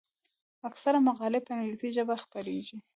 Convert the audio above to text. اکثره مقالې په انګلیسي ژبه خپریږي.